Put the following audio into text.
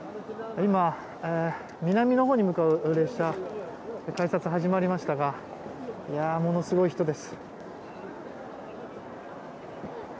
今、南のほうに向かう列車の改札が始まりましたがものすごい人です。